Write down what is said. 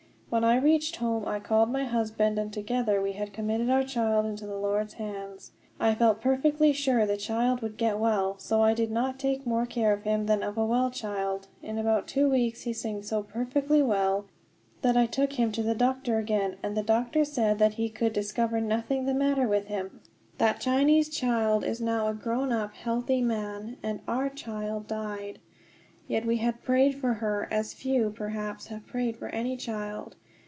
When I reached home I called my husband, and together we had committed our child into the Lord's hands. I felt perfectly sure the child would get well, so I did not take more care of him than of a well child. In about two weeks he seemed so perfectly well that I took him to the doctor again, and the doctor said that he could discover nothing the matter with him." That Chinese child is now a grown up, healthy man. And our child died. Yet we had prayed for her as few, perhaps, have prayed for any child.